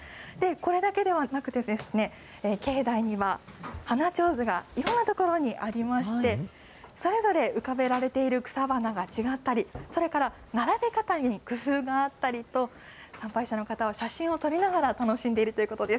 これだけではなくて、境内には、花ちょうずがいろんな所にありまして、それぞれ浮かべられている草花が違ったり、それから並べ方に工夫があったりと、参拝者の方は写真を撮りながら楽しんでいるということです。